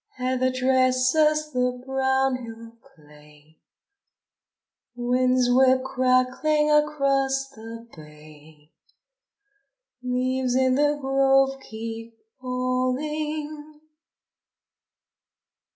Heather dresses the brown hill clay, Winds whip crackling across the bay, Leaves in the grove keep falling.